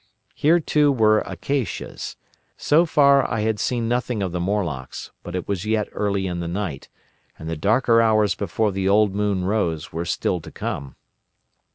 Here too were acacias. So far I had seen nothing of the Morlocks, but it was yet early in the night, and the darker hours before the old moon rose were still to come.